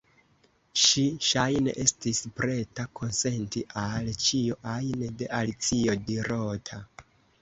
Ŝi ŝajne estis preta konsenti al ĉio ajn de Alicio dirota.